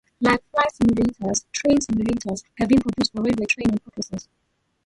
Like flight simulators, train simulators have been produced for railway training purposes.